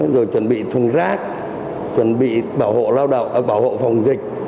rồi chuẩn bị thuần rác chuẩn bị bảo hộ phòng dịch